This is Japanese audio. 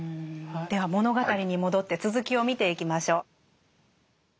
では物語に戻って続きを見ていきましょう。